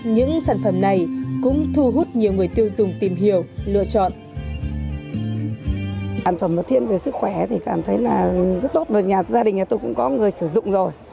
những sản phẩm này cũng thu hút nhiều người tiêu dùng tìm hiểu lựa chọn